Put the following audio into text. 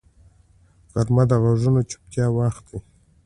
غرمه د غږونو چوپتیا وخت وي